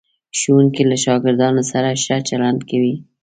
ښوونکی له شاګردانو سره ښه چلند کوي.